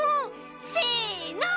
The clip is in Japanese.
せの！